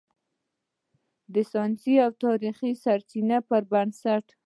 د "ساینسي او تاریخي سرچینو" پر بنسټ